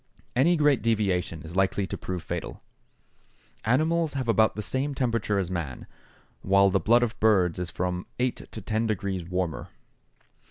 Any great deviation is likely to prove fatal. Animals have about the same temperature as man, while the blood of birds is from eight to ten degrees warmer.